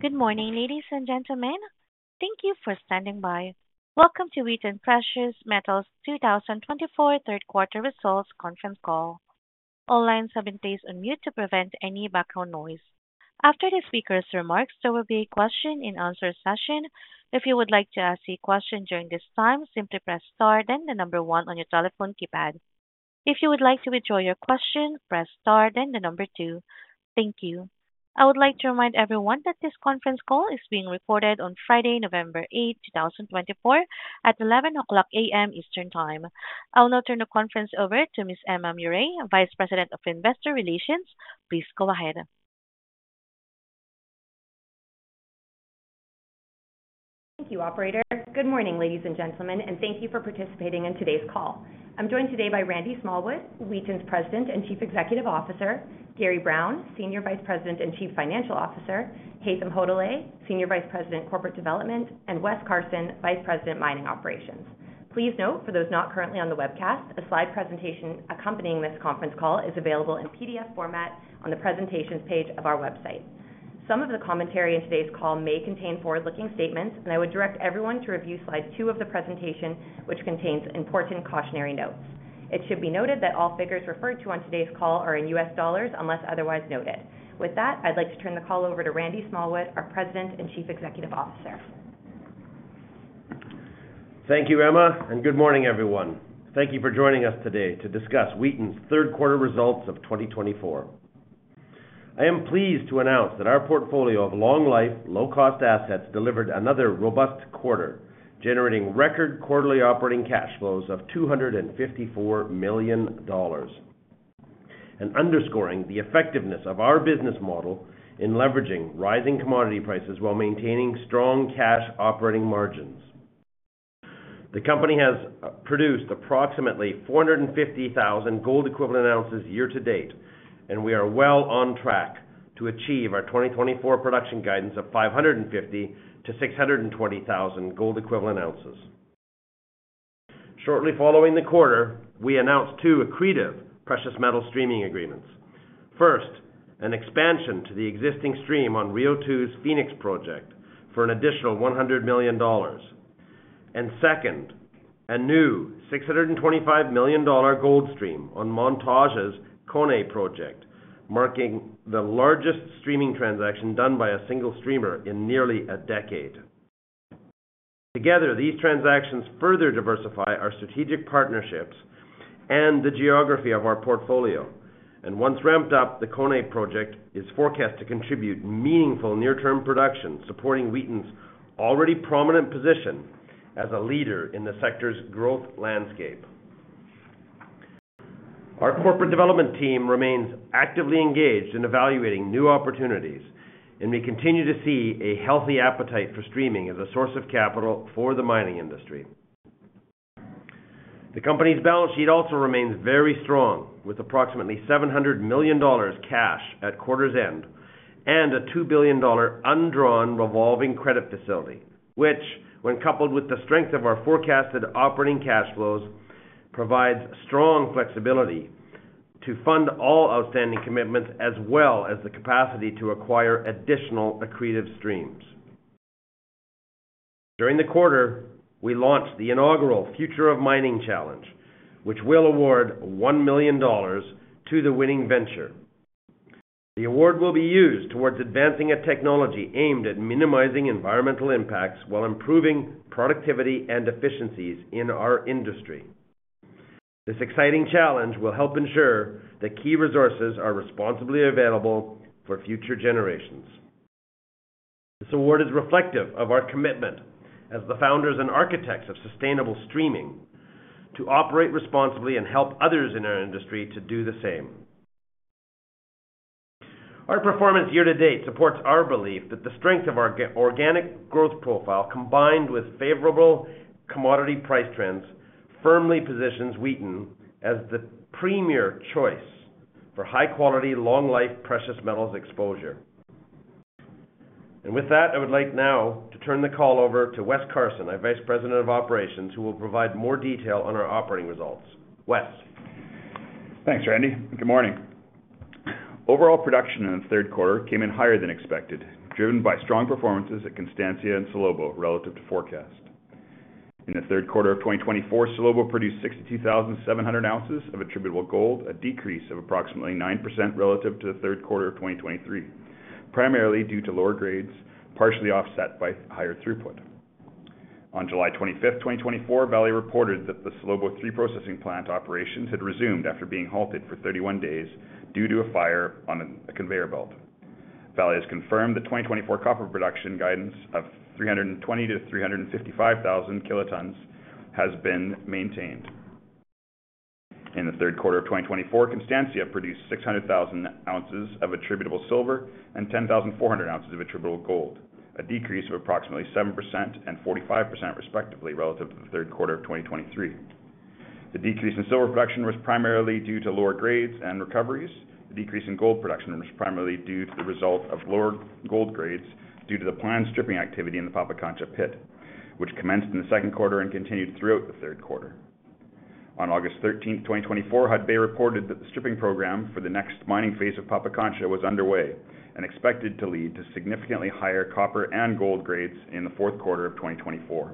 Good morning, ladies and gentlemen. Thank you for standing by. Welcome to Wheaton Precious Metals' 2024 third-quarter results conference call. All lines have been placed on mute to prevent any background noise. After the speaker's remarks, there will be a question-and-answer session. If you would like to ask a question during this time, simply press star then the number one on your telephone keypad. If you would like to withdraw your question, press star then the number two. Thank you. I would like to remind everyone that this conference call is being recorded on Friday, November 8, 2024, at 11:00 A.M. Eastern Time. I will now turn the conference over to Ms. Emma Murray, Vice President of Investor Relations. Please go ahead. Thank you, Operator. Good morning, ladies and gentlemen, and thank you for participating in today's call. I'm joined today by Randy Smallwood, Wheaton's President and Chief Executive Officer, Gary Brown, Senior Vice President and Chief Financial Officer, Haytham Hodaly, Senior Vice President, Corporate Development, and Wes Carson, Vice President, Mining Operations. Please note, for those not currently on the webcast, a slide presentation accompanying this conference call is available in PDF format on the presentations page of our website. Some of the commentary in today's call may contain forward-looking statements, and I would direct everyone to review slide two of the presentation, which contains important cautionary notes. It should be noted that all figures referred to on today's call are in US dollars unless otherwise noted. With that, I'd like to turn the call over to Randy Smallwood, our President and Chief Executive Officer. Thank you, Emma, and good morning, everyone. Thank you for joining us today to discuss Wheaton's third-quarter results of 2024. I am pleased to announce that our portfolio of long-life, low-cost assets delivered another robust quarter, generating record quarterly operating cash flows of $254 million, and underscoring the effectiveness of our business model in leveraging rising commodity prices while maintaining strong cash operating margins. The company has produced approximately 450,000 gold-equivalent ounces year-to-date, and we are well on track to achieve our 2024 production guidance of 550,000-620,000 gold-equivalent ounces. Shortly following the quarter, we announced two accretive precious metal streaming agreements. First, an expansion to the existing stream on Rio2's Fenix project for an additional $100 million. And second, a new $625 million gold stream on Montage's Koné project, marking the largest streaming transaction done by a single streamer in nearly a decade. Together, these transactions further diversify our strategic partnerships and the geography of our portfolio, and once ramped up, the Koné project is forecast to contribute meaningful near-term production, supporting Wheaton's already prominent position as a leader in the sector's growth landscape. Our corporate development team remains actively engaged in evaluating new opportunities, and we continue to see a healthy appetite for streaming as a source of capital for the mining industry. The company's balance sheet also remains very strong, with approximately $700 million cash at quarter's end and a $2 billion undrawn revolving credit facility, which, when coupled with the strength of our forecasted operating cash flows, provides strong flexibility to fund all outstanding commitments as well as the capacity to acquire additional accretive streams. During the quarter, we launched the inaugural Future of Mining Challenge, which will award $1 million to the winning venture. The award will be used towards advancing a technology aimed at minimizing environmental impacts while improving productivity and efficiencies in our industry. This exciting challenge will help ensure that key resources are responsibly available for future generations. This award is reflective of our commitment as the founders and architects of sustainable streaming to operate responsibly and help others in our industry to do the same. Our performance year-to-date supports our belief that the strength of our organic growth profile, combined with favorable commodity price trends, firmly positions Wheaton as the premier choice for high-quality, long-life precious metals exposure. And with that, I would like now to turn the call over to Wes Carson, our Vice President of Operations, who will provide more detail on our operating results. Wes. Thanks, Randy. Good morning. Overall production in the 3Q came in higher than expected, driven by strong performances at Constancia and Salobo relative to forecast. In the 3Q of 2024, Salobo produced 62,700 ounces of attributable gold, a decrease of approximately 9% relative to the 3Q of 2023, primarily due to lower grades, partially offset by higher throughput. On July 25, 2024, Vale reported that the Salobo 3 processing plant operations had resumed after being halted for 31 days due to a fire on a conveyor belt. Vale has confirmed the 2024 copper production guidance of 320,000-355,000 kilotons has been maintained. In the 3Q of 2024, Constancia produced 600,000 ounces of attributable silver and 10,400 ounces of attributable gold, a decrease of approximately 7% and 45%, respectively, relative to the 3Q of 2023. The decrease in silver production was primarily due to lower grades and recoveries. The decrease in gold production was primarily due to the result of lower gold grades due to the planned stripping activity in the Pampacancha Pit, which commenced in the 2Q and continued throughout the 3Q. On August 13, 2024, Hudbay reported that the stripping program for the next mining phase of Pampacancha was underway and expected to lead to significantly higher copper and gold grades in the 4Q of 2024.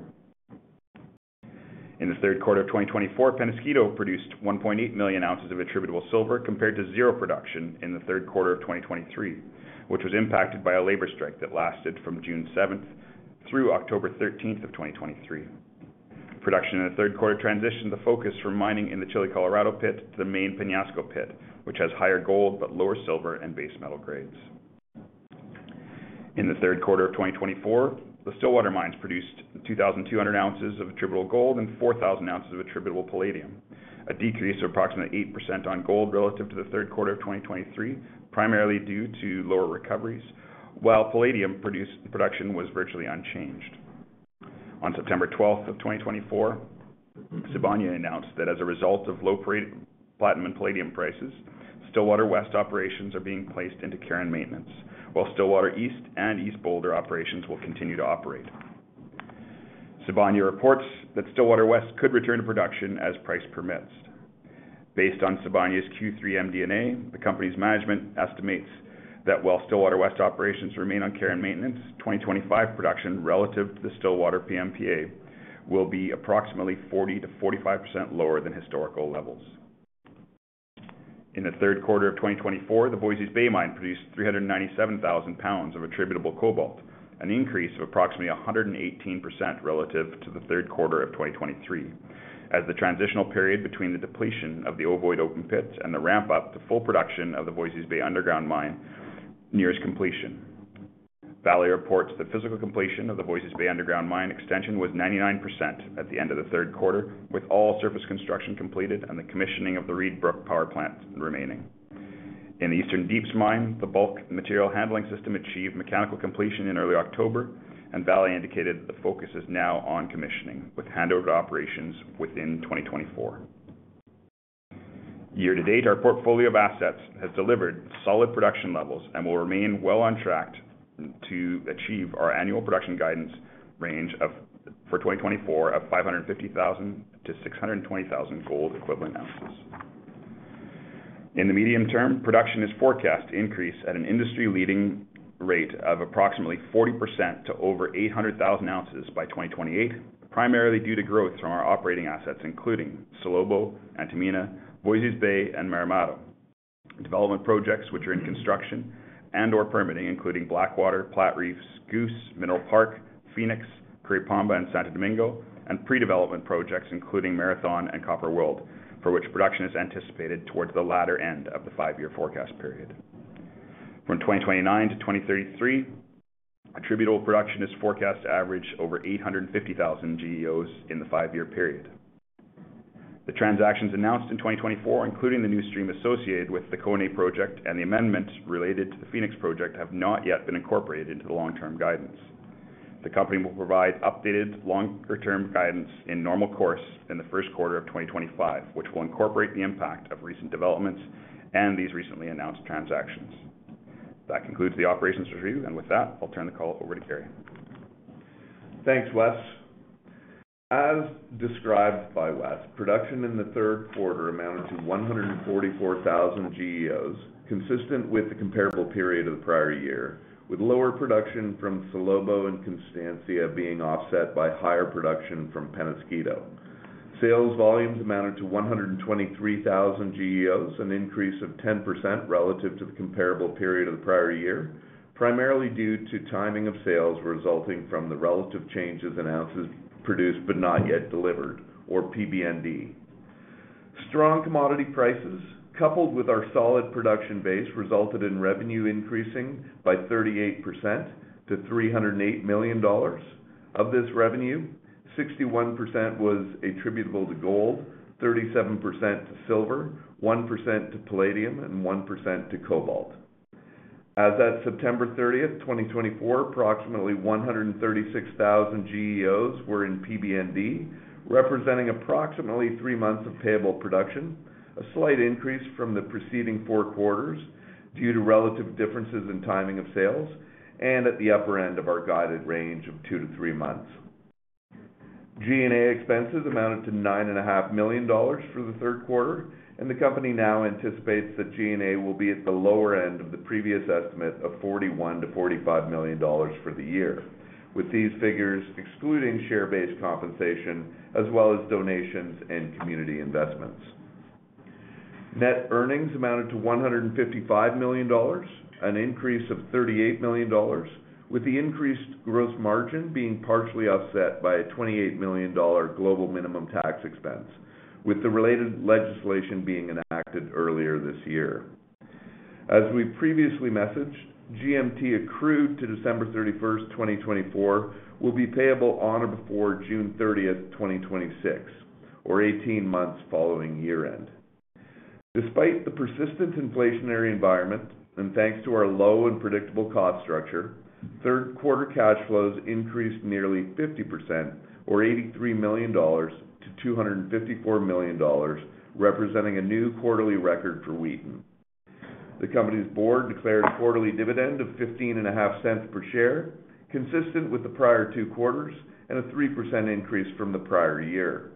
In the 3Q of 2024, Peñasquito produced 1.8 million ounces of attributable silver, compared to zero production in the 3Q of 2023, which was impacted by a labor strike that lasted from June 7 through October 13 of 2023. Production in the 3Q transitioned the focus from mining in the Chile Colorado Pit to the main Peñasco Pit, which has higher gold but lower silver and base metal grades. In the 3Q of 2024, the Stillwater mines produced 2,200 ounces of attributable gold and 4,000 ounces of attributable palladium, a decrease of approximately 8% on gold relative to the 3Q of 2023, primarily due to lower recoveries, while palladium production was virtually unchanged. On September 12, 2024, Sibanye-Stillwater announced that as a result of low platinum and palladium prices, Stillwater West operations are being placed into care and maintenance, while Stillwater East and East Boulder operations will continue to operate. Sibanye-Stillwater reports that Stillwater West could return to production as price permits. Based on Sibanye-Stillwater's Q3 MD&A, the company's management estimates that while Stillwater West operations remain on care and maintenance, 2025 production relative to the Stillwater PMPA will be approximately 40%-45% lower than historical levels. In the 3Q of 2024, the Voisey's Bay mine produced 397,000 pounds of attributable cobalt, an increase of approximately 118% relative to the 3Q of 2023, as the transitional period between the depletion of the Ovoid Open Pit and the ramp-up to full production of the Voisey's Bay Underground Mine nears completion. Vale reports the physical completion of the Voisey's Bay Underground Mine extension was 99% at the end of the 3Q, with all surface construction completed and the commissioning of the Reid Brook Power Plant remaining. In the Eastern Deeps mine, the bulk material handling system achieved mechanical completion in early October, and Vale indicated that the focus is now on commissioning, with handover to operations within 2024. Year-to-date, our portfolio of assets has delivered solid production levels and will remain well on track to achieve our annual production guidance range for 2024 of 550,000-620,000 gold-equivalent ounces. In the medium term, production is forecast to increase at an industry-leading rate of approximately 40% to over 800,000 ounces by 2028, primarily due to growth from our operating assets, including Salobo, Antamina, Voisey's Bay, and Marmato. Development projects which are in construction and/or permitting, including Blackwater, Platreef, Goose, Mineral Park, Phoenix, Curipamba, and Santo Domingo, and pre-development projects including Marathon and Copper World, for which production is anticipated towards the latter end of the five-year forecast period. From 2029 to 2033, attributable production is forecast to average over 850,000 GEOs in the five-year period. The transactions announced in 2024, including the new stream associated with the Koné project and the amendments related to the Phoenix project, have not yet been incorporated into the long-term guidance. The company will provide updated longer-term guidance in normal course in the 1Q of 2025, which will incorporate the impact of recent developments and these recently announced transactions. That concludes the operations review, and with that, I'll turn the call over to Gary. Thanks, Wes. As described by Wes, production in the 3Q amounted to 144,000 GEOs, consistent with the comparable period of the prior year, with lower production from Salobo and Constancia being offset by higher production from Peñasquito. Sales volumes amounted to 123,000 GEOs, an increase of 10% relative to the comparable period of the prior year, primarily due to timing of sales resulting from the relative changes in ounces produced but not yet delivered, or PBND. Strong commodity prices, coupled with our solid production base, resulted in revenue increasing by 38% to $308 million. Of this revenue, 61% was attributable to gold, 37% to silver, 1% to palladium, and 1% to cobalt. As of September 30, 2024, approximately 136,000 GEOs were in PBND, representing approximately three months of payable production, a slight increase from the preceding four quarters due to relative differences in timing of sales and at the upper end of our guided range of two to three months. G&A expenses amounted to $9.5 million for the 3Q, and the company now anticipates that G&A will be at the lower end of the previous estimate of $41-$45 million for the year, with these figures excluding share-based compensation as well as donations and community investments. Net earnings amounted to $155 million, an increase of $38 million, with the increased gross margin being partially offset by a $28 million global minimum tax expense, with the related legislation being enacted earlier this year. As we previously messaged, GMT accrued to December 31, 2024, will be payable on or before June 30, 2026, or 18 months following year-end. Despite the persistent inflationary environment and thanks to our low and predictable cost structure, third-quarter cash flows increased nearly 50%, or $83 million-$254 million, representing a new quarterly record for Wheaton. The company's board declared a quarterly dividend of $0.155 per share, consistent with the prior two quarters and a 3% increase from the prior year.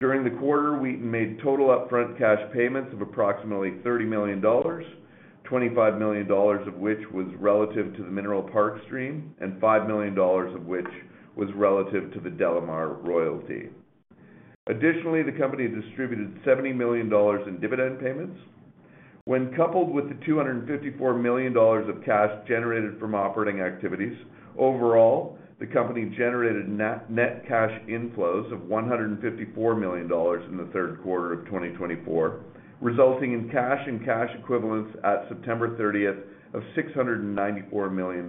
During the quarter, Wheaton made total upfront cash payments of approximately $30 million, $25 million of which was relative to the Mineral Park stream and $5 million of which was relative to the DeLamar royalty. Additionally, the company distributed $70 million in dividend payments. When coupled with the $254 million of cash generated from operating activities, overall, the company generated net cash inflows of $154 million in the 3Q of 2024, resulting in cash and cash equivalents at September 30 of $694 million.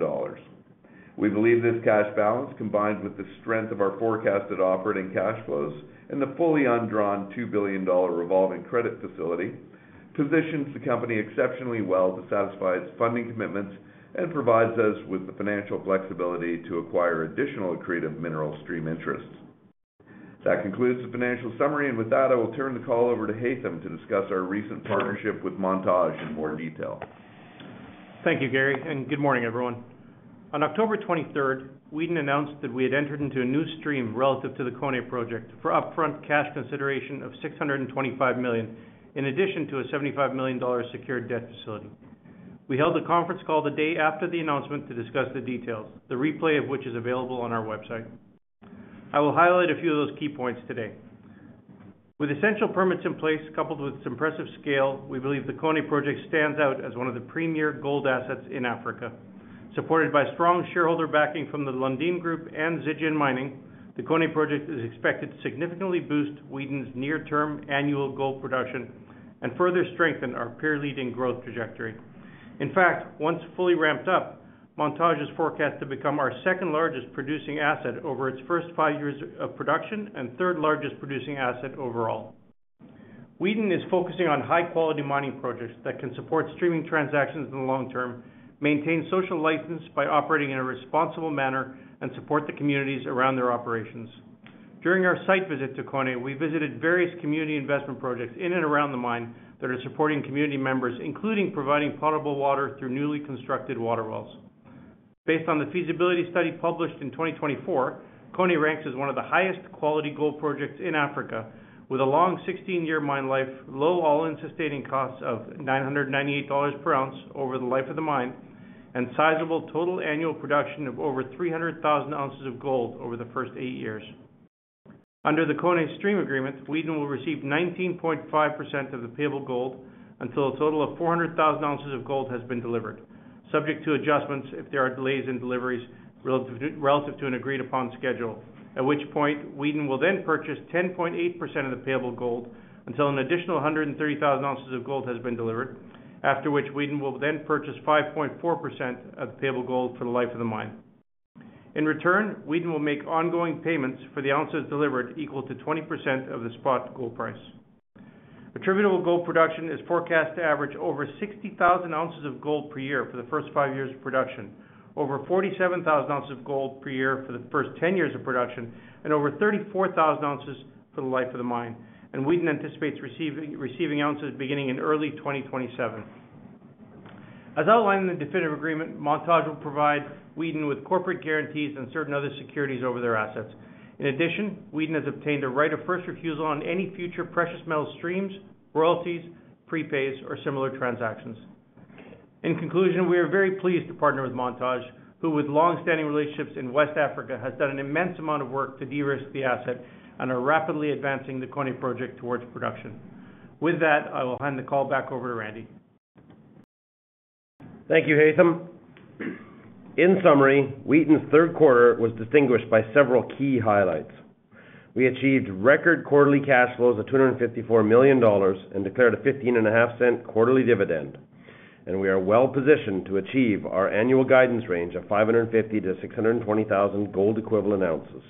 We believe this cash balance, combined with the strength of our forecasted operating cash flows and the fully undrawn $2 billion revolving credit facility, positions the company exceptionally well to satisfy its funding commitments and provides us with the financial flexibility to acquire additional accretive mineral stream interests. That concludes the financial summary, and with that, I will turn the call over to Haytham to discuss our recent partnership with Montage in more detail. Thank you, Gary, and good morning, everyone. On October 23, Wheaton announced that we had entered into a new stream relative to the Koné project for upfront cash consideration of $625 million, in addition to a $75 million secured debt facility. We held a conference call the day after the announcement to discuss the details, the replay of which is available on our website. I will highlight a few of those key points today. With essential permits in place, coupled with its impressive scale, we believe the Koné project stands out as one of the premier gold assets in Africa. Supported by strong shareholder backing from the Lundin Group and Zijin Mining, the Koné project is expected to significantly boost Wheaton's near-term annual gold production and further strengthen our peer-leading growth trajectory. In fact, once fully ramped up, Montage is forecast to become our second-largest producing asset over its first five years of production and third-largest producing asset overall. Wheaton is focusing on high-quality mining projects that can support streaming transactions in the long term, maintain social license by operating in a responsible manner, and support the communities around their operations. During our site visit to Koné, we visited various community investment projects in and around the mine that are supporting community members, including providing potable water through newly constructed water wells. Based on the feasibility study published in 2024, Koné ranks as one of the highest-quality gold projects in Africa, with a long 16-year mine life, low All-in Sustaining Costs of $998 per ounce over the life of the mine, and sizable total annual production of over 300,000 ounces of gold over the first eight years. Under the Koné Stream Agreement, Wheaton will receive 19.5% of the payable gold until a total of 400,000 ounces of gold has been delivered, subject to adjustments if there are delays in deliveries relative to an agreed-upon schedule, at which point Wheaton will then purchase 10.8% of the payable gold until an additional 130,000 ounces of gold has been delivered, after which Wheaton will then purchase 5.4% of the payable gold for the life of the mine. In return, Wheaton will make ongoing payments for the ounces delivered equal to 20% of the spot gold price. Attributable gold production is forecast to average over 60,000 ounces of gold per year for the first five years of production, over 47,000 ounces of gold per year for the first 10 years of production, and over 34,000 ounces for the life of the mine, and Wheaton anticipates receiving ounces beginning in early 2027. As outlined in the definitive agreement, Montage will provide Wheaton with corporate guarantees and certain other securities over their assets. In addition, Wheaton has obtained a right of first refusal on any future precious metal streams, royalties, prepays, or similar transactions. In conclusion, we are very pleased to partner with Montage, who, with long-standing relationships in West Africa, has done an immense amount of work to de-risk the asset and are rapidly advancing the Koné project towards production. With that, I will hand the call back over to Randy. Thank you, Haytham. In summary, Wheaton's 3Q was distinguished by several key highlights. We achieved record quarterly cash flows of $254 million and declared a $0.155 quarterly dividend, and we are well-positioned to achieve our annual guidance range of 550,000-620,000 gold-equivalent ounces.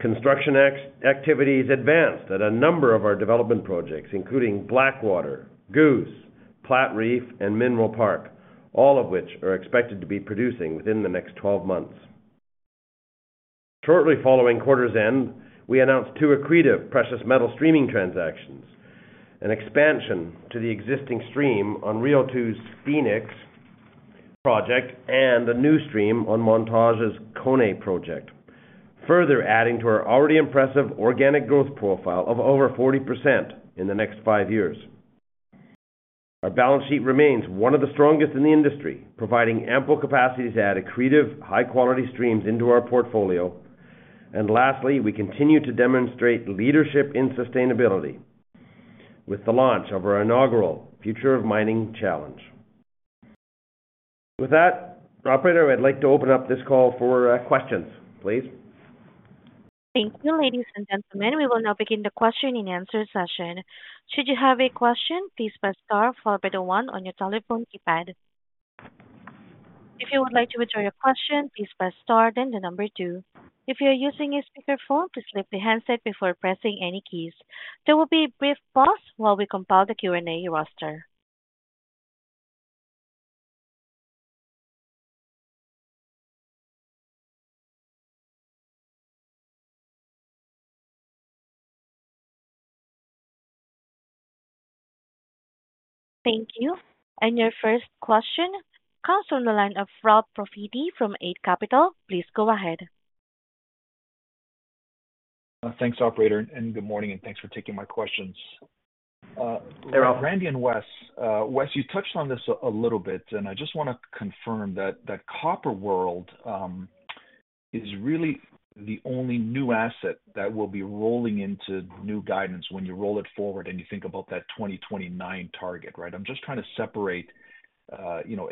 Construction activity has advanced at a number of our development projects, including Blackwater, Goose, Platreef, and Mineral Park, all of which are expected to be producing within the next 12 months. Shortly following quarter's end, we announced two accretive precious metal streaming transactions, an expansion to the existing stream on Rio2's Phoenix project, and a new stream on Montage's Koné project, further adding to our already impressive organic growth profile of over 40% in the next five years. Our balance sheet remains one of the strongest in the industry, providing ample capacity to add accretive, high-quality streams into our portfolio, and lastly, we continue to demonstrate leadership in sustainability with the launch of our inaugural Future of Mining Challenge. With that, operator, I'd like to open up this call for questions, please. Thank you, ladies and gentlemen. We will now begin the question and answer session. Should you have a question, please press star followed by the one on your telephone keypad. If you would like to withdraw your question, please press star then the number two. If you are using a speakerphone, please lift the handset before pressing any keys. There will be a brief pause while we compile the Q&A roster. Thank you. And your first question comes from the line of Ralph Profiti from Eight Capital. Please go ahead. Thanks, operator, and good morning, and thanks for taking my questions. Randy and Wes, Wes, you touched on this a little bit, and I just want to confirm that Copper World is really the only new asset that will be rolling into new guidance when you roll it forward and you think about that 2029 target, right? I'm just trying to separate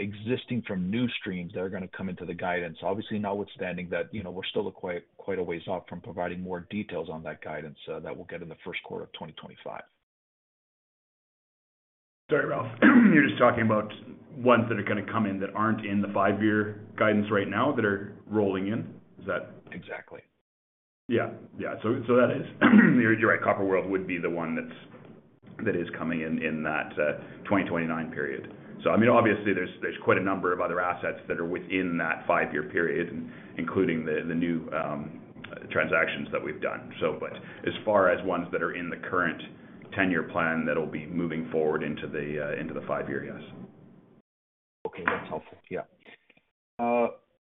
existing from new streams that are going to come into the guidance, obviously notwithstanding that we're still quite a ways off from providing more details on that guidance that we'll get in the 1Q of 2025. Sorry, Ralph, you're just talking about ones that are going to come in that aren't in the five-year guidance right now that are rolling in? Is that? Exactly. Yeah. Yeah. So that is, you're right. Copper World would be the one that is coming in that 2029 period. So, I mean, obviously, there's quite a number of other assets that are within that five-year period, including the new transactions that we've done. But as far as ones that are in the current ten-year plan that'll be moving forward into the five-year, yes. Okay. That's helpful. Yeah.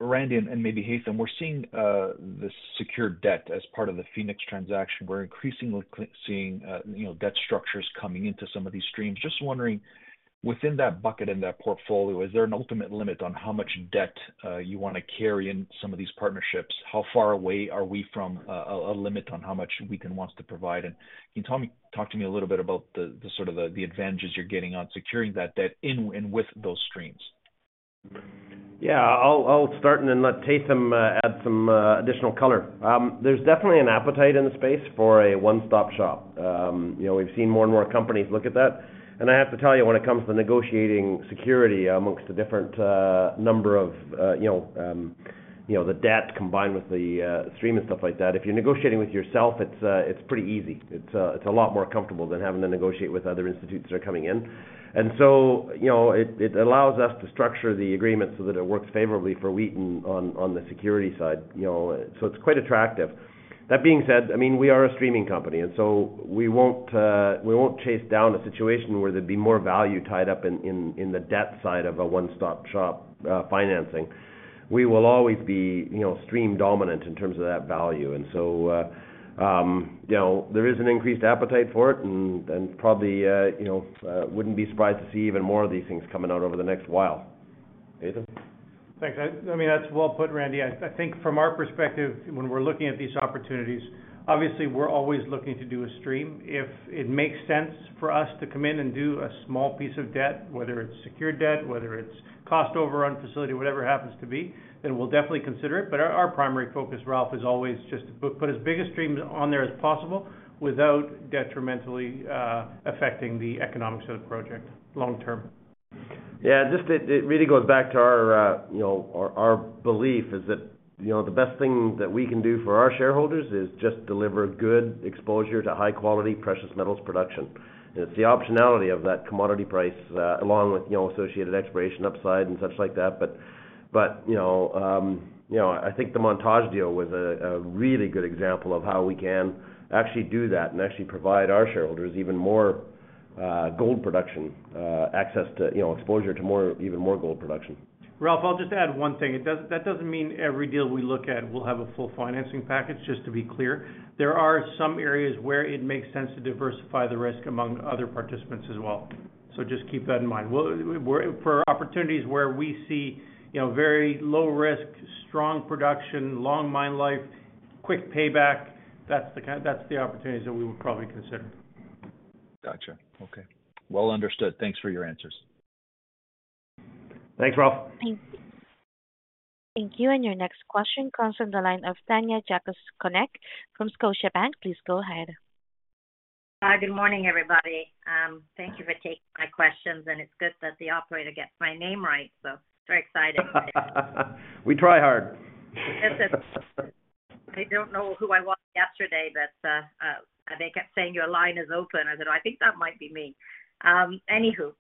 Randy and maybe Haytham, we're seeing the secured debt as part of the Phoenix transaction. We're increasingly seeing debt structures coming into some of these streams. Just wondering, within that bucket and that portfolio, is there an ultimate limit on how much debt you want to carry in some of these partnerships? How far away are we from a limit on how much Wheaton wants to provide? And can you talk to me a little bit about the sort of the advantages you're getting on securing that debt in and with those streams? Yeah. I'll start and then let Haytham add some additional color. There's definitely an appetite in the space for a one-stop shop. We've seen more and more companies look at that. And I have to tell you, when it comes to negotiating security amongst the different number of the debt combined with the stream and stuff like that, if you're negotiating with yourself, it's pretty easy. It's a lot more comfortable than having to negotiate with other institutions that are coming in. And so it allows us to structure the agreement so that it works favorably for Wheaton on the security side. So it's quite attractive. That being said, I mean, we are a streaming company, and so we won't chase down a situation where there'd be more value tied up in the debt side of a one-stop shop financing. We will always be stream dominant in terms of that value. And so there is an increased appetite for it, and probably wouldn't be surprised to see even more of these things coming out over the next while. Haytham? Thanks. I mean, that's well put, Randy. I think from our perspective, when we're looking at these opportunities, obviously, we're always looking to do a stream. If it makes sense for us to come in and do a small piece of debt, whether it's secured debt, whether it's cost overrun facility, whatever it happens to be, then we'll definitely consider it. But our primary focus, Ralph, is always just to put as big a stream on there as possible without detrimentally affecting the economics of the project long term. Yeah. Just, it really goes back to our belief that the best thing that we can do for our shareholders is just deliver good exposure to high-quality precious metals production. And it's the optionality of that commodity price along with associated expiration upside and such like that. But I think the Montage deal was a really good example of how we can actually do that and actually provide our shareholders even more gold production, access to exposure to even more gold production. Ralph, I'll just add one thing. That doesn't mean every deal we look at will have a full financing package, just to be clear. There are some areas where it makes sense to diversify the risk among other participants as well. So just keep that in mind. For opportunities where we see very low risk, strong production, long mine life, quick payback, that's the opportunities that we would probably consider. Gotcha. Okay. Well understood. Thanks for your answers. Thanks, Ralph. Thank you. And your next question comes from the line of Tanya Jakusconek from Scotiabank. Please go ahead. Hi, good morning, everybody. Thank you for taking my questions, and it's good that the operator gets my name right, so very excited. We try hard. I don't know who I was yesterday, but they kept saying, "Your line is open." I said, "I think that might be me." Anywho,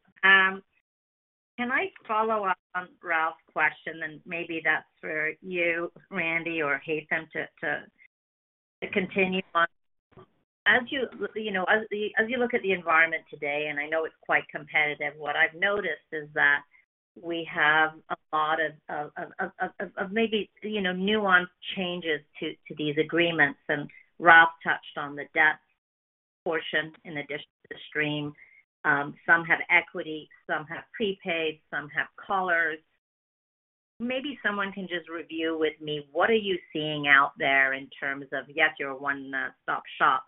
can I follow up on Ralph's question, and maybe that's for you, Randy or Haytham, to continue on? As you look at the environment today, and I know it's quite competitive, what I've noticed is that we have a lot of maybe nuanced changes to these agreements. And Ralph touched on the debt portion in addition to the stream. Some have equity, some have prepays, some have collars. Maybe someone can just review with me, what are you seeing out there in terms of, yes, you're a one-stop shop,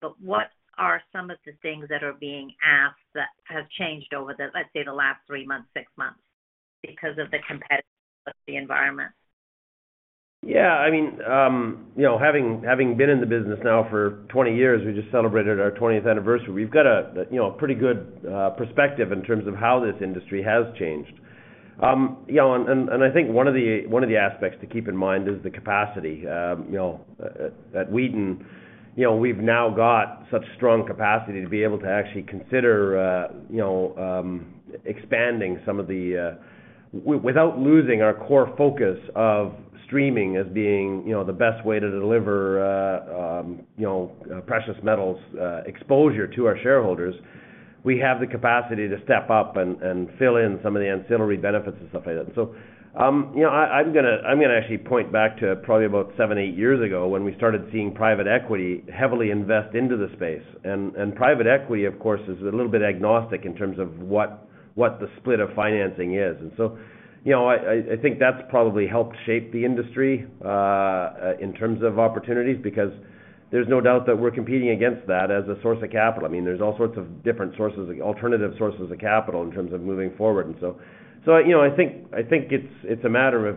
but what are some of the things that are being asked that have changed over, let's say, the last three months, six months because of the competitive environment? Yeah. I mean, having been in the business now for 20 years, we just celebrated our 20th anniversary. We've got a pretty good perspective in terms of how this industry has changed. I think one of the aspects to keep in mind is the capacity. At Wheaton, we've now got such strong capacity to be able to actually consider expanding some of the without losing our core focus of streaming as being the best way to deliver precious metals exposure to our shareholders. We have the capacity to step up and fill in some of the ancillary benefits and stuff like that. I'm going to actually point back to probably about seven, eight years ago when we started seeing private equity heavily invest into the space. Private equity, of course, is a little bit agnostic in terms of what the split of financing is. And so I think that's probably helped shape the industry in terms of opportunities because there's no doubt that we're competing against that as a source of capital. I mean, there's all sorts of different sources, alternative sources of capital in terms of moving forward. And so I think it's a matter of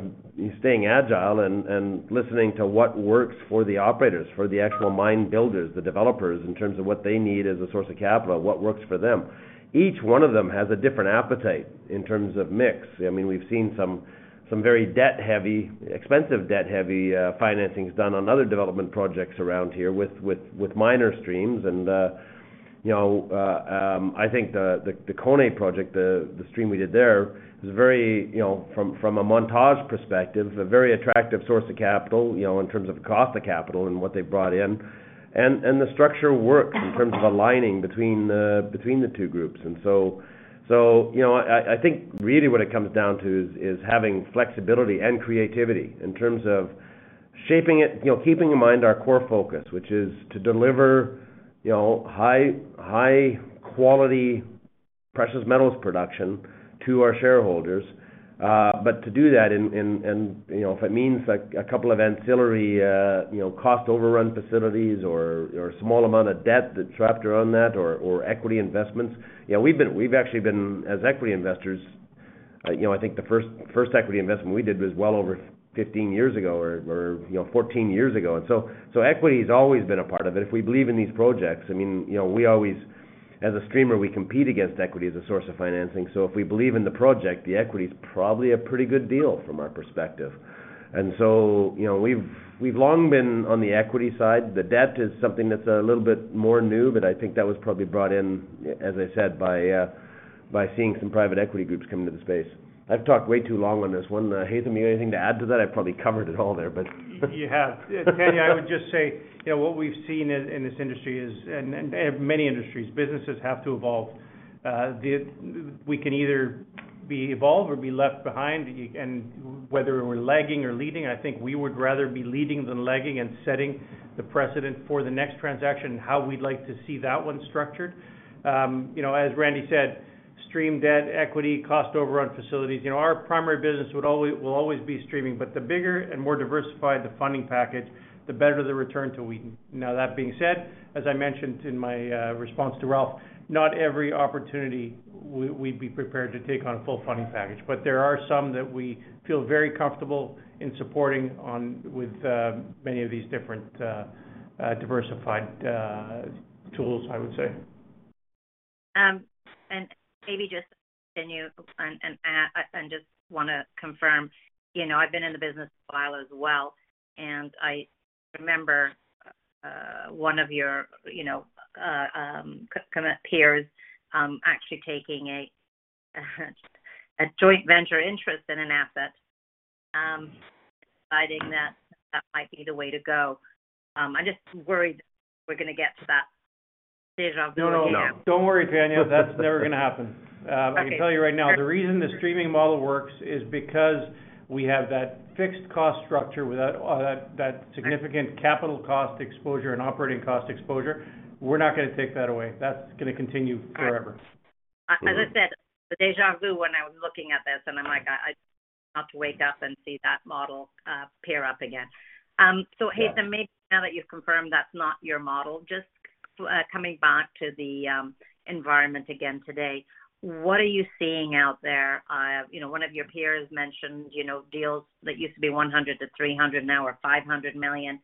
staying agile and listening to what works for the operators, for the actual mine builders, the developers in terms of what they need as a source of capital, what works for them. Each one of them has a different appetite in terms of mix. I mean, we've seen some very debt-heavy, expensive debt-heavy financings done on other development projects around here with minor streams. I think the Koné project, the stream we did there, was very, from a Montage perspective, a very attractive source of capital in terms of the cost of capital and what they brought in. The structure worked in terms of aligning between the two groups. So I think really what it comes down to is having flexibility and creativity in terms of shaping it, keeping in mind our core focus, which is to deliver high-quality precious metals production to our shareholders. But to do that, and if it means a couple of ancillary cost overrun facilities or a small amount of debt that's wrapped around that or equity investments, yeah, we've actually been, as equity investors, I think the first equity investment we did was well over 15 years ago or 14 years ago. So equity has always been a part of it. If we believe in these projects, I mean, we always, as a streamer, we compete against equity as a source of financing. So if we believe in the project, the equity is probably a pretty good deal from our perspective. And so we've long been on the equity side. The debt is something that's a little bit more new, but I think that was probably brought in, as I said, by seeing some private equity groups come into the space. I've talked way too long on this one. Haytham, you have anything to add to that? I probably covered it all there, but. You have. Tanya, I would just say what we've seen in this industry is, and many industries, businesses have to evolve. We can either evolve or be left behind. And whether we're lagging or leading, I think we would rather be leading than lagging and setting the precedent for the next transaction and how we'd like to see that one structured. As Randy said, streaming, debt, equity, cost overrun facilities, our primary business will always be streaming. But the bigger and more diversified the funding package, the better the return to Wheaton.Now, that being said, as I mentioned in my response to Ralph, not every opportunity we'd be prepared to take on a full funding package. But there are some that we feel very comfortable in supporting with many of these different diversified tools, I would say. Maybe just to continue and just want to confirm, I've been in the business a while as well. I remember one of your peers actually taking a joint venture interest in an asset, deciding that that might be the way to go. I'm just worried we're going to get to that stage of. No, no. Don't worry, Tanya. That's never going to happen. I can tell you right now, the reason the streaming model works is because we have that fixed cost structure without that significant capital cost exposure and operating cost exposure. We're not going to take that away. That's going to continue forever. As I said, the déjà vu when I was looking at this, and I'm like, "I have to wake up and see that model pair up again." So, Haytham, maybe now that you've confirmed that's not your model, just coming back to the environment again today, what are you seeing out there? One of your peers mentioned deals that used to be $100-$300 million, now are $500 million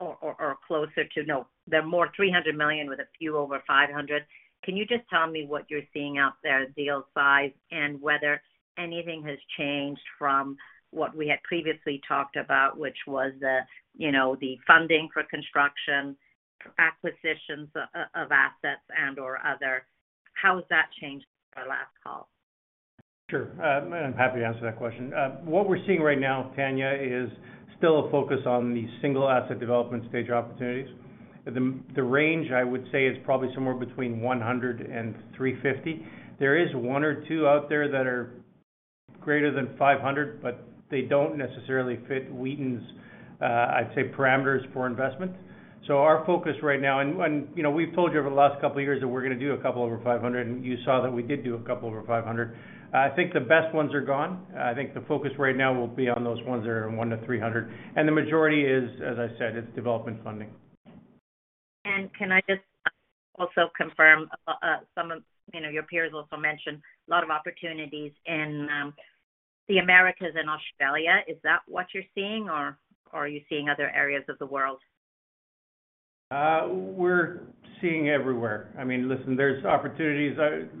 or closer to, no, they're more $300 million with a few over $500 million. Can you just tell me what you're seeing out there, deal size, and whether anything has changed from what we had previously talked about, which was the funding for construction, acquisitions of assets and/or other? How has that changed from our last call? Sure. I'm happy to answer that question. What we're seeing right now, Tanya, is still a focus on the single asset development stage opportunities. The range, I would say, is probably somewhere between 100 and 350. There is one or two out there that are greater than 500, but they don't necessarily fit Wheaton's, I'd say, parameters for investment. So our focus right now, and we've told you over the last couple of years that we're going to do a couple over 500, and you saw that we did do a couple over 500. I think the best ones are gone. I think the focus right now will be on those ones that are one to 300. And the majority is, as I said, it's development funding. Can I just also confirm some of your peers also mentioned a lot of opportunities in the Americas and Australia? Is that what you're seeing, or are you seeing other areas of the world? We're seeing everywhere. I mean, listen, there's opportunities.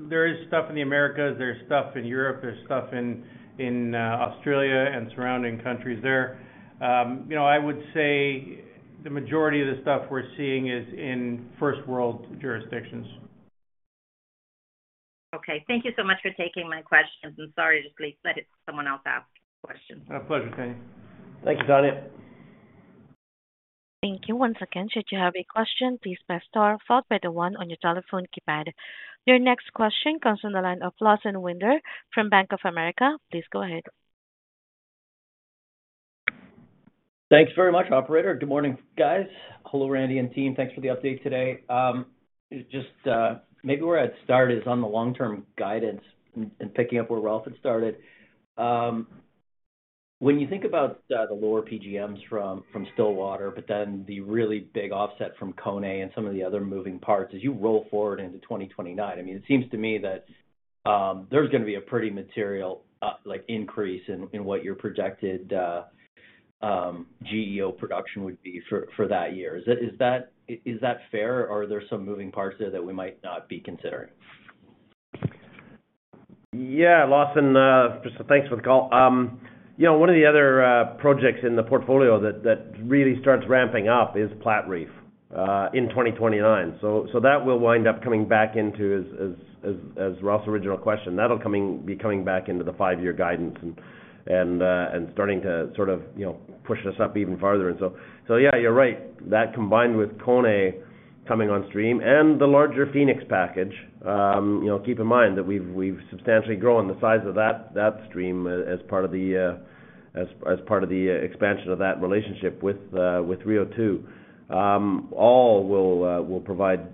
There is stuff in the Americas. There's stuff in Europe. There's stuff in Australia and surrounding countries there. I would say the majority of the stuff we're seeing is in first-world jurisdictions. Okay. Thank you so much for taking my questions. I'm sorry. Just leave that to someone else to ask the question. A pleasure, Tanya. Thank you, Tanya. Thank you. Once again, should you have a question, please press star, followed by the one on your telephone keypad. Your next question comes from the line of Lawson Winder from Bank of America. Please go ahead. Thanks very much, operator. Good morning, guys. Hello, Randy and team. Thanks for the update today. Just maybe where I'd start is on the long-term guidance and picking up where Ralph had started. When you think about the lower PGMs from Stillwater, but then the really big offset from Koné and some of the other moving parts as you roll forward into 2029, I mean, it seems to me that there's going to be a pretty material increase in what your projected GEO production would be for that year. Is that fair, or are there some moving parts there that we might not be considering? Yeah. Lawson, thanks for the call. One of the other projects in the portfolio that really starts ramping up is Platreef in 2029. So that will wind up coming back into, as Ralph's original question, that'll be coming back into the five-year guidance and starting to sort of push us up even farther. And so, yeah, you're right. That combined with Koné coming on stream and the larger Phoenix package, keep in mind that we've substantially grown the size of that stream as part of the expansion of that relationship with Rio2, all will provide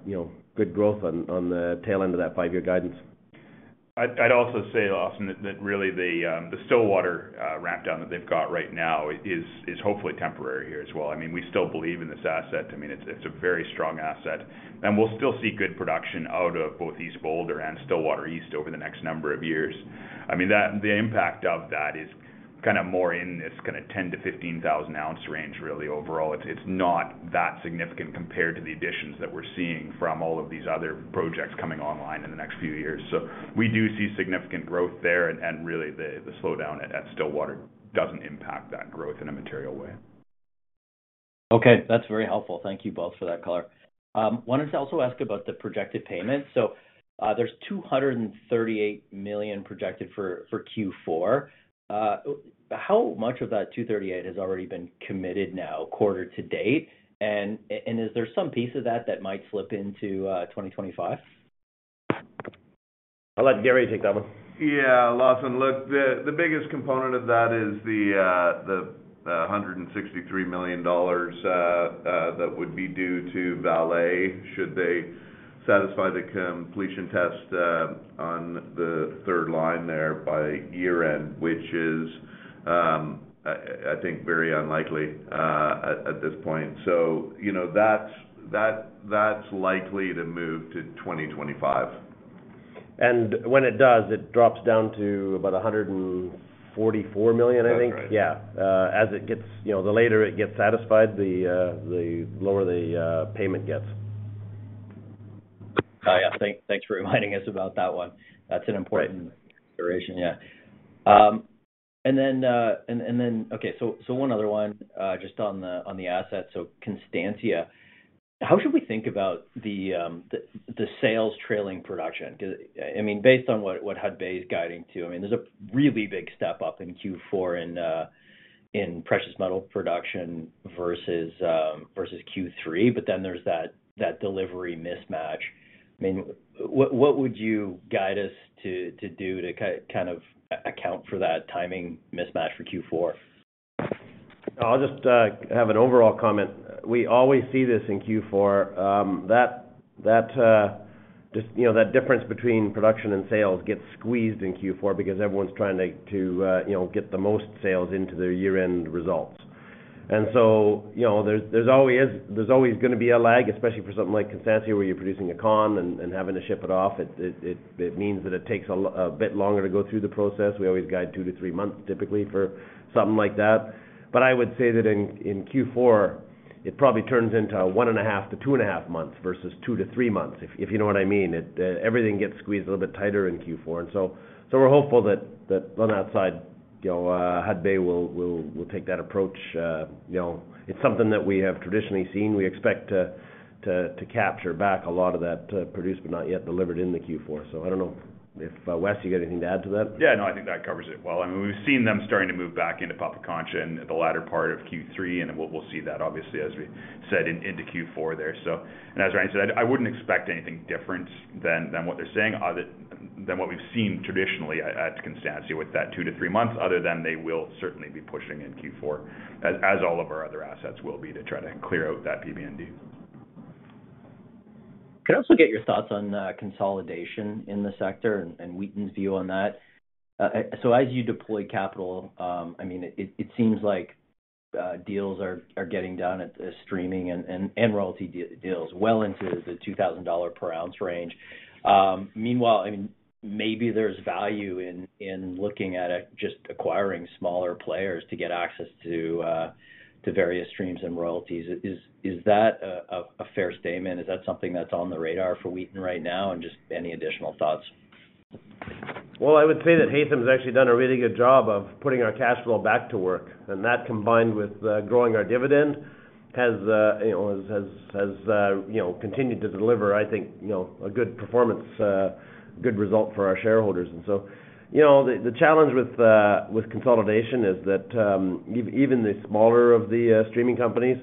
good growth on the tail end of that five-year guidance. I'd also say, Lawson, that really the Stillwater ramp-down that they've got right now is hopefully temporary here as well. I mean, we still believe in this asset. I mean, it's a very strong asset. We'll still see good production out of both East Boulder and Stillwater East over the next number of years. I mean, the impact of that is kind of more in this kind of 10,000-15,000-ounce range, really, overall. It's not that significant compared to the additions that we're seeing from all of these other projects coming online in the next few years. We do see significant growth there, and really the slowdown at Stillwater doesn't impact that growth in a material way. Okay. That's very helpful. Thank you both for that color. Wanted to also ask about the projected payments. So there's $238 million projected for Q4. How much of that $238 has already been committed now, quarter to date? And is there some piece of that that might slip into 2025? I'll let Gary take that one. Yeah. Lawson, look, the biggest component of that is the $163 million that would be due to Vale should they satisfy the completion test on the third line there by year-end, which is, I think, very unlikely at this point. So that's likely to move to 2025. When it does, it drops down to about 144 million, I think. 144. Yeah. As it gets later it gets satisfied, the lower the payment gets. Yeah. Thanks for reminding us about that one. That's an important consideration. Yeah. And then, okay, so one other one just on the asset. So Constancia, how should we think about the sales trailing production? I mean, based on what Hudbay's guiding to, I mean, there's a really big step up in Q4 in precious metal production versus Q3, but then there's that delivery mismatch. I mean, what would you guide us to do to kind of account for that timing mismatch for Q4? I'll just have an overall comment. We always see this in Q4. That difference between production and sales gets squeezed in Q4 because everyone's trying to get the most sales into their year-end results. And so there's always going to be a lag, especially for something like Constancia where you're producing a con and having to ship it off. It means that it takes a bit longer to go through the process. We always guide two to three months typically for something like that. But I would say that in Q4, it probably turns into one and a half to two and a half months versus two to three months, if you know what I mean. Everything gets squeezed a little bit tighter in Q4, and so we're hopeful that on that side, Hudbay will take that approach. It's something that we have traditionally seen. We expect to capture back a lot of that produced but not yet delivered in the Q4. So I don't know if Wes, you got anything to add to that? Yeah. No, I think that covers it well. I mean, we've seen them starting to move back into Pampacancha in the latter part of Q3, and we'll see that, obviously, as we said, into Q4 there. So, and as Randy said, I wouldn't expect anything different than what they're saying, than what we've seen traditionally at Constancia with that two to three months, other than they will certainly be pushing in Q4, as all of our other assets will be to try to clear out that PBND. Can I also get your thoughts on consolidation in the sector and Wheaton's view on that? So as you deploy capital, I mean, it seems like deals are getting done at the streaming and royalty deals well into the $2,000 per ounce range. Meanwhile, I mean, maybe there's value in looking at just acquiring smaller players to get access to various streams and royalties. Is that a fair statement? Is that something that's on the radar for Wheaton right now? And just any additional thoughts? I would say that Haytham has actually done a really good job of putting our cash flow back to work. And that, combined with growing our dividend, has continued to deliver, I think, a good performance, a good result for our shareholders. And so the challenge with consolidation is that even the smaller of the streaming companies,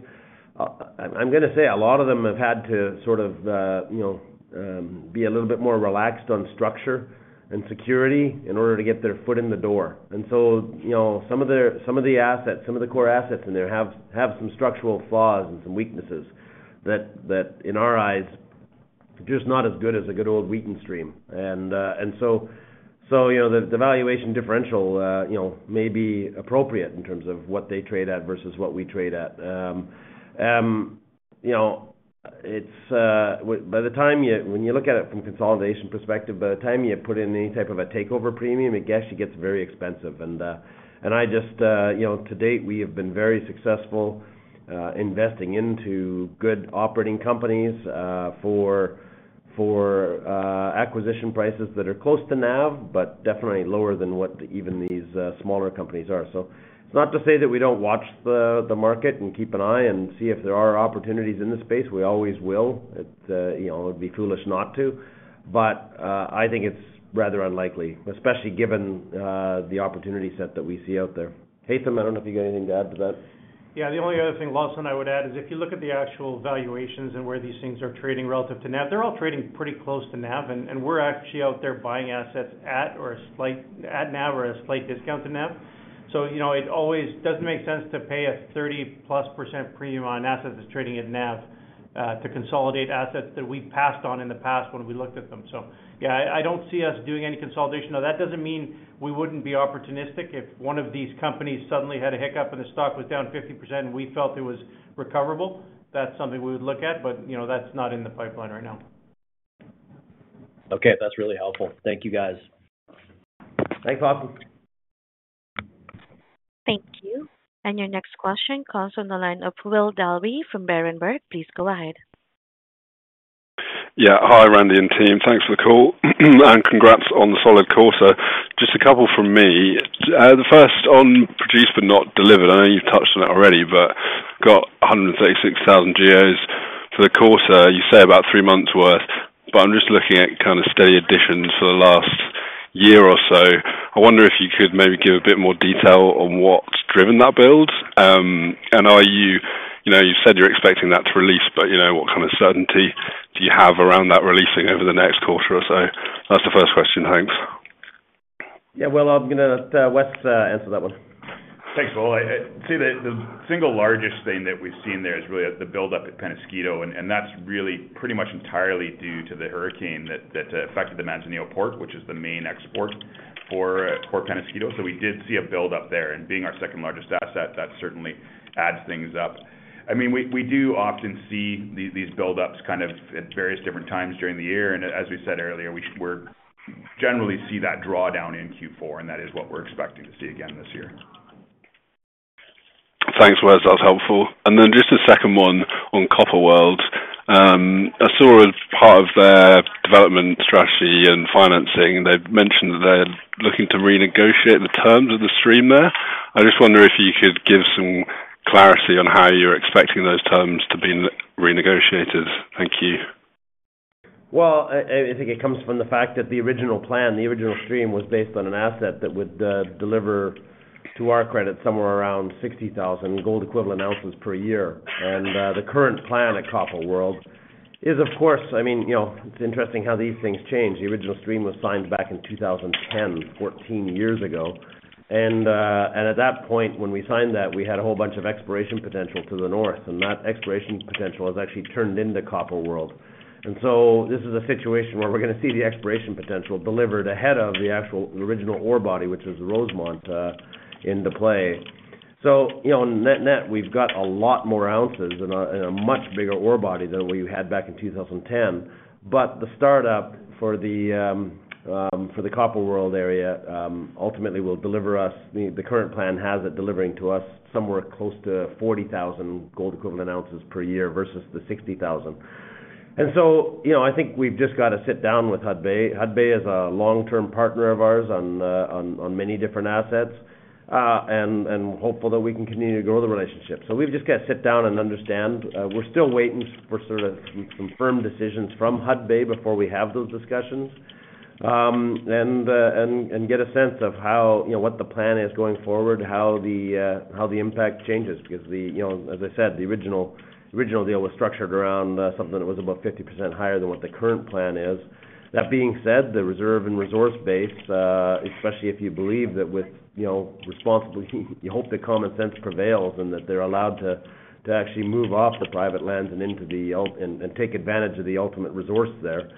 I'm going to say a lot of them have had to sort of be a little bit more relaxed on structure and security in order to get their foot in the door. And so some of the assets, some of the core assets in there have some structural flaws and some weaknesses that, in our eyes, are just not as good as a good old Wheaton stream. And so the valuation differential may be appropriate in terms of what they trade at versus what we trade at. By the time when you look at it from a consolidation perspective, by the time you put in any type of a takeover premium, it actually gets very expensive. And I just to date, we have been very successful investing into good operating companies for acquisition prices that are close to NAV, but definitely lower than what even these smaller companies are. So it's not to say that we don't watch the market and keep an eye and see if there are opportunities in the space. We always will. It would be foolish not to. But I think it's rather unlikely, especially given the opportunity set that we see out there. Haytham, I don't know if you got anything to add to that. Yeah. The only other thing, Lawson, I would add is if you look at the actual valuations and where these things are trading relative to NAV, they're all trading pretty close to NAV. And we're actually out there buying assets at NAV or a slight discount to NAV. So it always doesn't make sense to pay a 30-plus % premium on assets that's trading at NAV to consolidate assets that we've passed on in the past when we looked at them. So, yeah, I don't see us doing any consolidation. Now, that doesn't mean we wouldn't be opportunistic. If one of these companies suddenly had a hiccup and the stock was down 50% and we felt it was recoverable, that's something we would look at. But that's not in the pipeline right now. Okay. That's really helpful. Thank you, guys. Thanks, Lawson. Thank you. And your next question comes from the line of William Dalby from Berenberg. Please go ahead. Yeah. Hi, Randy and team. Thanks for the call. And congrats on the solid quarter. Just a couple from me. The first on produced but not delivered. I know you've touched on it already, but got 136,000 GEOs for the quarter. You say about three months' worth. But I'm just looking at kind of steady additions for the last year or so. I wonder if you could maybe give a bit more detail on what's driven that build. And you said you're expecting that to release, but what kind of certainty do you have around that releasing over the next quarter or so? That's the first question. Thanks. Yeah. Well, I'm going to let Wes answer that one. Thanks. See, the single largest thing that we've seen there is really the build-up at Peñasquito, and that's really pretty much entirely due to the hurricane that affected the Manzanillo Port, which is the main export for Peñasquito, so we did see a build-up there, and being our second-largest asset, that certainly adds things up. I mean, we do often see these build-ups kind of at various different times during the year, and as we said earlier, we generally see that drawdown in Q4, and that is what we're expecting to see again this year. Thanks, Wes. That was helpful. And then just a second one on Copper World. I saw as part of their development strategy and financing, they mentioned that they're looking to renegotiate the terms of the stream there. I just wonder if you could give some clarity on how you're expecting those terms to be renegotiated. Thank you. I think it comes from the fact that the original plan, the original stream was based on an asset that would deliver, to our credit, somewhere around 60,000 gold-equivalent ounces per year, and the current plan at Copper World is, of course, I mean, it's interesting how these things change. The original stream was signed back in 2010, 14 years ago, and at that point, when we signed that, we had a whole bunch of exploration potential to the north, and that exploration potential has actually turned into Copper World, and so this is a situation where we're going to see the exploration potential delivered ahead of the original ore body, which is Rosemont, into play, so net-net, we've got a lot more ounces and a much bigger ore body than what you had back in 2010. But the startup for the Copper World area ultimately will deliver us, the current plan has it delivering to us somewhere close to 40,000 gold-equivalent ounces per year versus the 60,000. And so I think we've just got to sit down with Hudbay. Hudbay is a long-term partner of ours on many different assets and hopeful that we can continue to grow the relationship. So we've just got to sit down and understand. We're still waiting for sort of some firm decisions from Hudbay before we have those discussions and get a sense of what the plan is going forward, how the impact changes. Because, as I said, the original deal was structured around something that was about 50% higher than what the current plan is. That being said, the reserve and resource base, especially if you believe that with responsibly, you hope that common sense prevails and that they're allowed to actually move off the private lands and into the and take advantage of the ultimate resource there,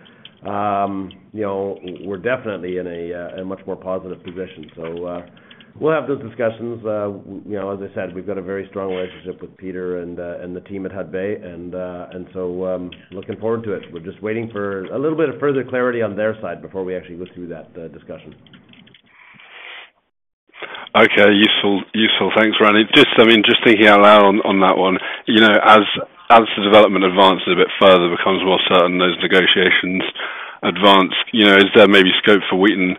we're definitely in a much more positive position. So we'll have those discussions. As I said, we've got a very strong relationship with Peter and the team at Hudbay, and so looking forward to it. We're just waiting for a little bit of further clarity on their side before we actually go through that discussion. Okay. Useful. Thanks, Randy. Just thinking out loud on that one, as the development advances a bit further, becomes more certain those negotiations advance, is there maybe scope for Wheaton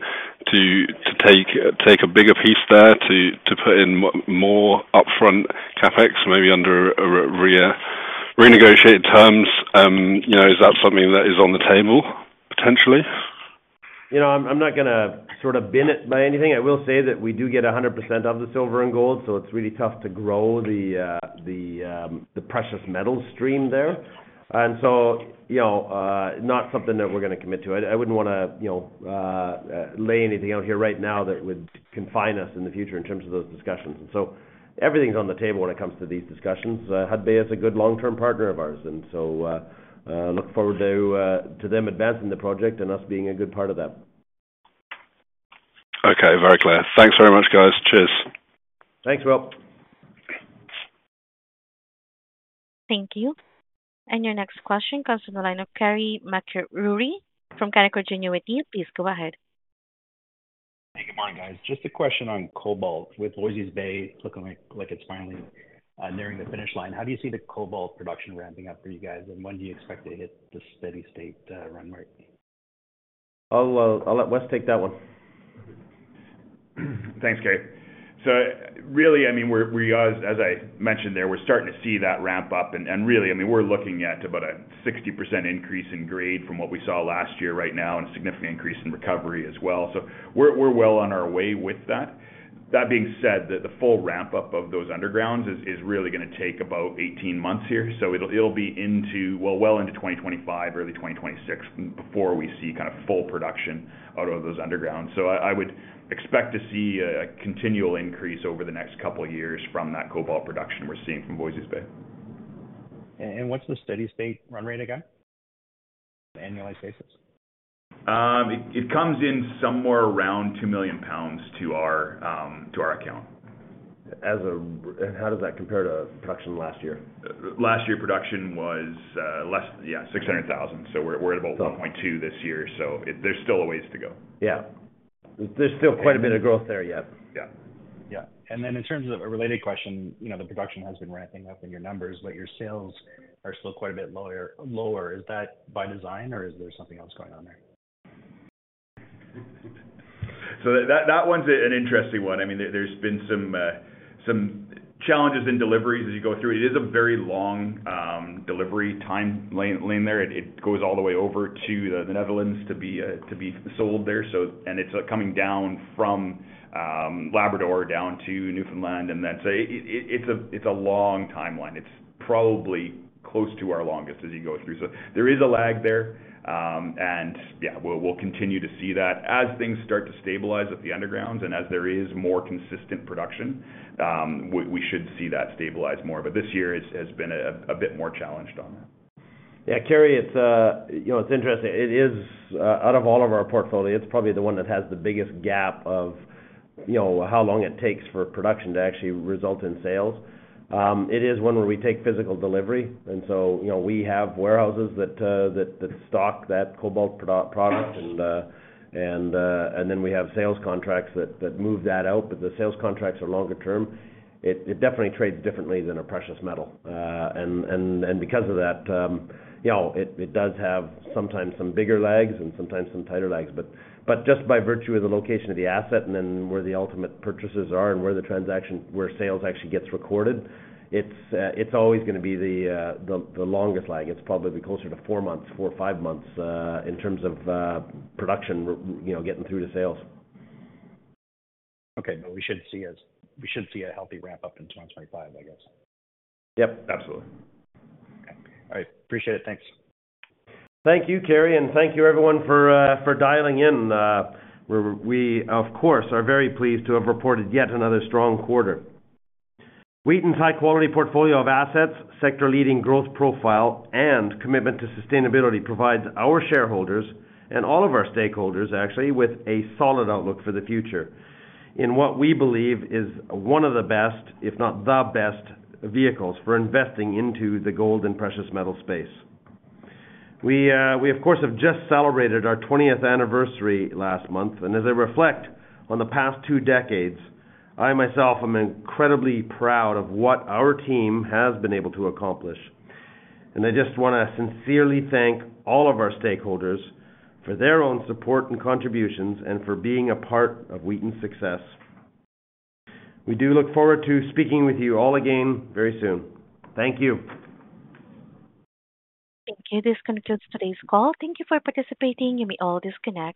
to take a bigger piece there to put in more upfront CapEx, maybe under renegotiated terms? Is that something that is on the table, potentially? I'm not going to sort of bin it by anything. I will say that we do get 100% of the silver and gold. So it's really tough to grow the precious metal stream there. And so not something that we're going to commit to. I wouldn't want to lay anything out here right now that would confine us in the future in terms of those discussions. And so everything's on the table when it comes to these discussions. Hudbay is a good long-term partner of ours. And so look forward to them advancing the project and us being a good part of that. Okay. Very clear. Thanks very much, guys. Cheers. Thanks, Will. Thank you. And your next question comes from the line of Carey MacRury from Canaccord Genuity. Please go ahead. Hey, good morning, guys. Just a question on cobalt with Voisey's Bay looking like it's finally nearing the finish line. How do you see the cobalt production ramping up for you guys? And when do you expect to hit the steady state runway? Oh, well, I'll let Wes take that one. Thanks, Gary. So really, I mean, as I mentioned there, we're starting to see that ramp up. And really, I mean, we're looking at about a 60% increase in grade from what we saw last year right now and a significant increase in recovery as well. So we're well on our way with that. That being said, the full ramp up of those undergrounds is really going to take about 18 months here. So it'll be well, well into 2025, early 2026 before we see kind of full production out of those undergrounds. So I would expect to see a continual increase over the next couple of years from that cobalt production we're seeing from Voisey's Bay. What's the steady state run rate again? On an annualized basis? It comes in somewhere around two million pounds to our account. How does that compare to production last year? Last year production was less, yeah, 600,000. So we're at about 1.2 this year. So there's still a ways to go. Yeah. There's still quite a bit of growth there yet. Yeah. Yeah. And then in terms of a related question, the production has been ramping up in your numbers, but your sales are still quite a bit lower. Is that by design, or is there something else going on there? So that one's an interesting one. I mean, there's been some challenges in deliveries as you go through it. It is a very long delivery time lane there. It goes all the way over to the Netherlands to be sold there. And it's coming down from Labrador down to Newfoundland. And so it's a long timeline. It's probably close to our longest as you go through. So there is a lag there. And yeah, we'll continue to see that as things start to stabilize at the undergrounds and as there is more consistent production, we should see that stabilize more. But this year has been a bit more challenged on that. Yeah. Carey, it's interesting. It is, out of all of our portfolio, it's probably the one that has the biggest gap of how long it takes for production to actually result in sales. It is one where we take physical delivery. And so we have warehouses that stock that cobalt product. And then we have sales contracts that move that out. But the sales contracts are longer term. It definitely trades differently than a precious metal. And because of that, it does have sometimes some bigger lags and sometimes some tighter lags. But just by virtue of the location of the asset and then where the ultimate purchases are and where the transaction, where sales actually gets recorded, it's always going to be the longest lag. It's probably closer to four months, four, five months in terms of production getting through to sales. Okay, but we should see a healthy ramp up in 2025, I guess. Yep. Absolutely. Okay. All right. Appreciate it. Thanks. Thank you, Carey. And thank you, everyone, for dialing in. We, of course, are very pleased to have reported yet another strong quarter. Wheaton's high-quality portfolio of assets, sector-leading growth profile, and commitment to sustainability provides our shareholders and all of our stakeholders, actually, with a solid outlook for the future in what we believe is one of the best, if not the best, vehicles for investing into the gold and precious metal space. We, of course, have just celebrated our 20th anniversary last month. And as I reflect on the past two decades, I myself am incredibly proud of what our team has been able to accomplish. And I just want to sincerely thank all of our stakeholders for their own support and contributions and for being a part of Wheaton's success. We do look forward to speaking with you all again very soon. Thank you. Thank you. This concludes today's call. Thank you for participating. You may all disconnect.